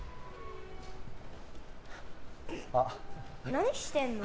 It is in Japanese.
何してるの？